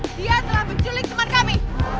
dia telah menculik teman kami